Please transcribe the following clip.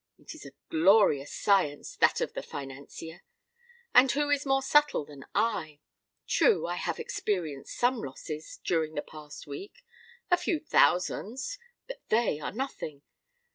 It is a glorious science—that of the financier! And who is more subtle than I? True—I have experienced some losses during the past week—a few thousands: but they are nothing!